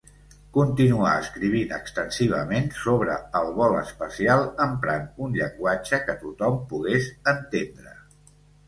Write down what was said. Continuà escrivint extensivament sobre el vol espacial emprant un llenguatge que tothom pogués entendre.